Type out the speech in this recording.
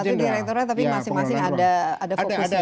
satu direktur tapi masing masing ada fokusnya